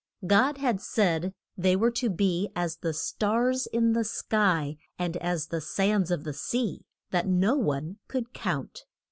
God had said they were to be as the stars in the sky, and as the sands of the sea, that no one could count.